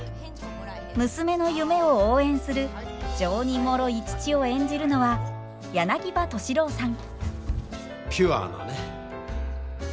娘の夢を応援する情にもろい父を演じるのは柳葉敏郎さん。